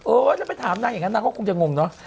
เออถ้าไปถามนางอย่างนั้นนางก็คงจะงงเนอะ